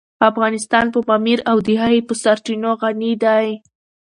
افغانستان په پامیر او د هغې په سرچینو غني دی.